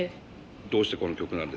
どうしてこの曲なんですか？